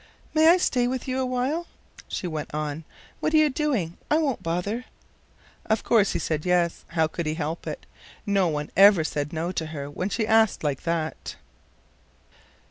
"May I stay with you a little while?" she went on. "What are you doing? I won't bother." Of course he said Yes. How could he help it? No one ever said No to her when she asked like that.